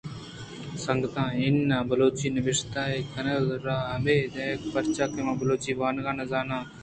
سنگت: اِناں ، بلوچی ءَ نبشتہ ئِے کن ءُ راہ مہ دئے پرچا کہ من بلوچی وانگ نہ زان آں۔